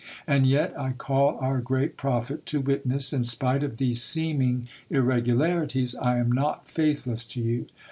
And yet, I call our great prophet to witness, in spite of these seeming irregularities, I am not faithless to you.